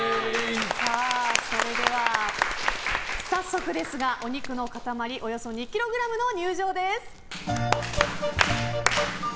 それでは早速ですがお肉の塊およそ２ｋｇの入場です。